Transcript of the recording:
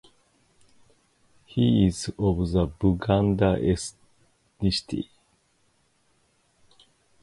He is of the Buganda ethnicity.